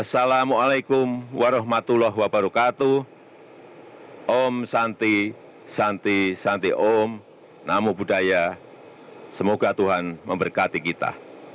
shanti om namo buddhaya semoga tuhan memberkati kita